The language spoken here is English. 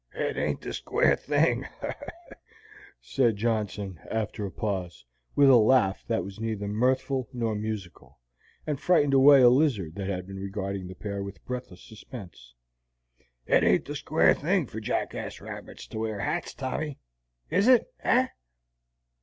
"It ain't the square thing," said Johnson, after a pause, with a laugh that was neither mirthful nor musical, and frightened away a lizard that had been regarding the pair with breathless suspense, "it ain't the square thing for jackass rabbits to wear hats, Tommy, is it, eh?"